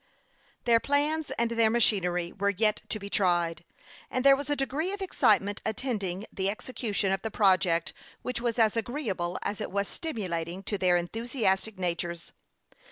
Their plans and their machinery were yet to be tried, and there was a degree of excitement attend ing the execution of the project which was as 108 HASTE AND WASTi:, OR agreeable as it was stimulating to their enthusiastic natures.